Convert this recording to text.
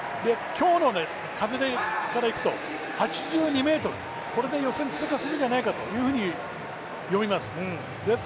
今日の風からいくと８２ｍ、これで予選通過するんじゃないかと読みます。